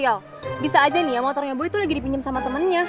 tapi ternyata aja nih motornya gue tuh lagi dipinjam sama temennya